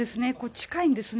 近いんですね。